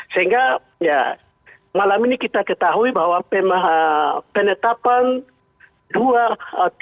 sehingga ya malam ini kita ketahui bahwa penetapan dua tiga ru adalah inisiatif dprd dalam hal ini